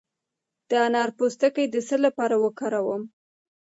د انار پوستکی د څه لپاره وکاروم؟